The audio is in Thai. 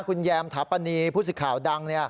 คุณแยมทัพปะนีผู้สื่อข่าวดัง